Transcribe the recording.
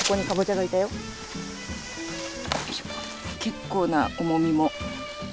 結構な重みも。